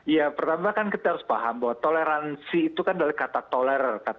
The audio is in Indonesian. ya pertama kan kita harus paham bahwa toleransi itu kan dari kata toler